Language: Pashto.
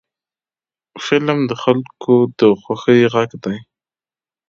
فلم د خلکو د خوښۍ غږ دی